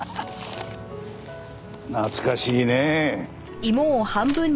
懐かしいねえ。